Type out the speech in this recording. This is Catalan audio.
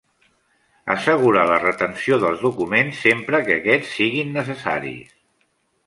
Assegurar la retenció dels documents sempre que aquests siguin necessaris.